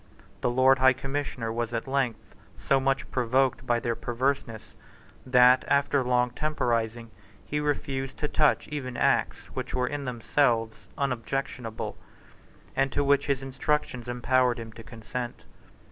The Lord High Commissioner was at length so much provoked by their perverseness that, after long temporising, he refused to touch even Acts which were in themselves unobjectionable, and to which his instructions empowered him to consent.